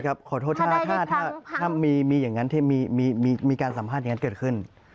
แบงค์ขอโทษต้องขอโทษด้วยกันครับขอโทษถ้ามีการสัมภาษณ์อย่างนั้นเกิดขึ้น